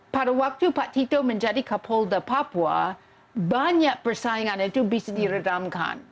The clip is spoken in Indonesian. pada waktu pak tito menjadi kapolda papua banyak persaingan itu bisa diredamkan